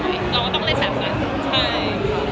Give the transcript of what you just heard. เราก็ต้องเล่นแบบนั้นใช่ค่ะ